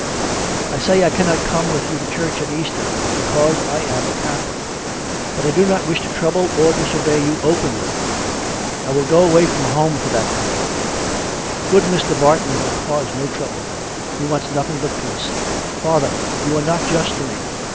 ... I say I cannot come with you to church at Easter, because I am a Catholic. But I do not wish to trouble or disobey you openly. I will go away from home COME RACK! COME ROPE! 45 for that time. Good Mr. Barton will cause no trouble; he wants nothing but peace. Father, you are not just to me.